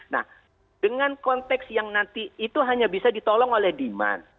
nah dengan konteks yang nanti itu hanya bisa ditolong oleh demand